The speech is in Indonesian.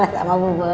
sama sama bu bu